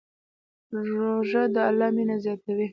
روژه د الله مینه زیاتوي.